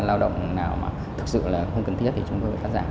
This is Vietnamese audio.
là lao động nào mà thực sự là không cần thiết thì chúng tôi phải cắt giảm